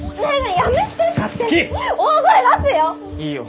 大声出すよ！